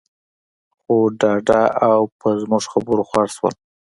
خو ډاډه او په زموږ خبرو خوښ شول.